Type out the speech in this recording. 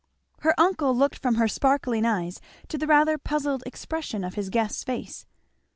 Her uncle looked from her sparkling eyes to the rather puzzled expression of his guest's face.